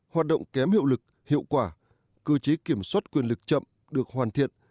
hoạt động kém hiệu lực hiệu quả cơ chế kiểm soát quyền lực chậm được hoàn thiện